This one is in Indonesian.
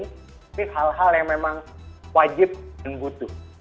tapi hal hal yang memang wajib dan butuh